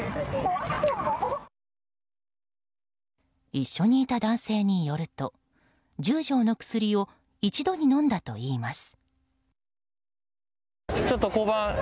一緒にいた男性によると１０錠の薬を一度に飲んだといいます。